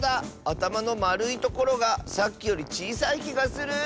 あたまのまるいところがさっきよりちいさいきがする。